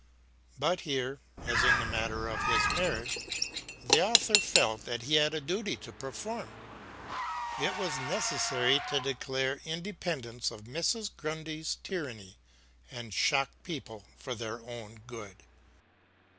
But here, as in the matter of his marriage, the author felt that he had a duty to perform: it was necessary to declare independence of Mrs. Grundy's tyranny and shock people for their own good.